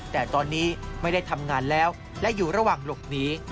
แต่ตอนนี้ไม่ได้ทำงานแล้วและอยู่ระหว่างหลบหนี